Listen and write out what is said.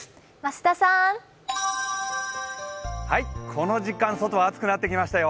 この時間、外は暑くなってきましたよ。